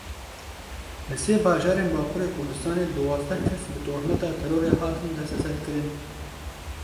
Li sê bajarên Bakurê Kurdistanê duwazdeh kes bi tohmeta terorê hatin desteserkirin.